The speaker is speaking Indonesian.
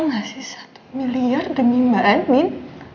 al ngasih satu miliar demi mbak andin